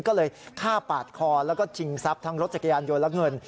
ก็เลยฆ่าปาดคอแล้วก็ชิงทรัพย์ทั้งรถจักรยานยนต์และเงิน